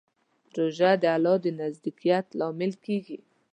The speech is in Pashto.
روژه د الله د نزدېکت لامل کېږي.